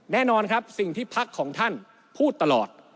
แน่นอนครับสิ่งที่พักของท่านพูดตลอด